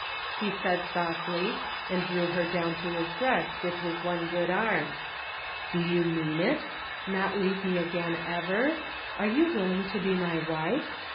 " he said softly, and drew her down to his breast with his one good arm. " Do you mean it? Not leave me again ever? Are you willing to be my wife?